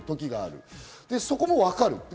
そこも分かる。